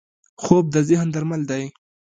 خوب د ذهن درمل دی